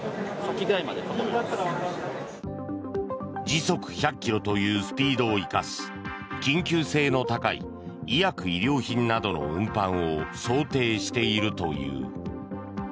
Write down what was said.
時速１００ｋｍというスピードを生かし緊急性の高い医薬医療品などの運搬を想定しているという。